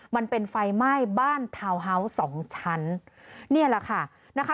มันเป็นไฟไหม้บ้านทาวน์ฮาวส์สองชั้นนี่แหละค่ะนะคะ